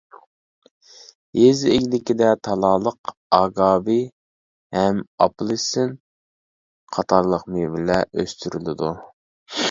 يېزا ئىگىلىكىدە تالالىق ئاگاۋى ھەم ئاپېلسىن قاتارلىق مېۋىلەر ئۆستۈرۈلىدۇ.